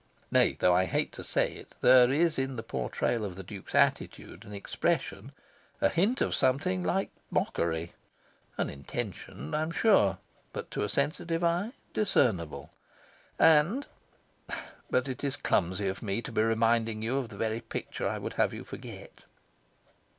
Nay, though I hate to say it, there is in the portrayal of the Duke's attitude and expression a hint of something like mockery unintentional, I am sure, but to a sensitive eye discernible. And but it is clumsy of me to be reminding you of the very picture I would have you forget.